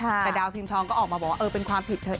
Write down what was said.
แต่ดาวน์พรีมทองก็ออกมาบอกว่าเออเป็นความผิดเธอเอง